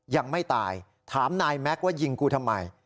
ยังไม่ตายถามนายแม็กซ์ว่ายิงกูทำไม